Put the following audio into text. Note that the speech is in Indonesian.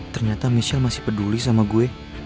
ternyata michelle masih peduli sama gue